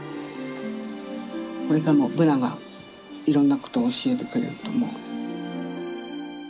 これからもブナがいろんなことを教えてくれると思う。